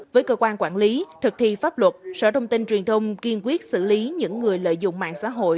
với cơ quan quản lý thực thi pháp luật sở thông tin truyền thông kiên quyết xử lý những người lợi dụng mạng xã hội